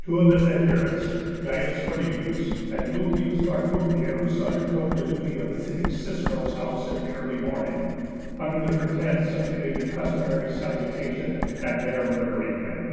Two of his adherents, C. Cornelius and L. Vargunteius, undertook the duty of visiting Cicero's house in the early morning, under pretence of giving the customary salutation, and there murdering him.